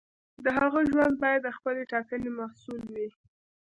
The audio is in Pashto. د هغه ژوند باید د خپلې ټاکنې محصول وي.